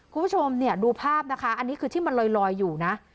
คุณผู้ชมเนี่ยดูภาพนะคะอันนี้คือที่มันลอยอยู่นะ